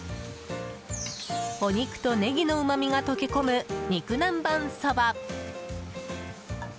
お肉とネギのうまみが溶け込む肉南ばんそば。